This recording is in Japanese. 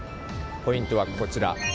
ポイントはこちら。